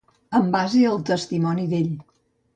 En base al testimoni d’ell.